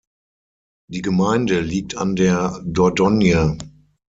Die Gemeinde liegt an der Dordogne.